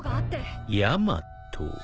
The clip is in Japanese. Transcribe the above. ヤマト？